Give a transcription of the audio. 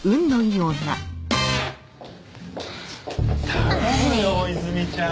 頼むよ泉ちゃん。